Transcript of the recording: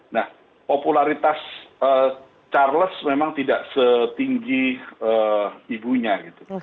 nah popularitas charles memang tidak setinggi ibunya gitu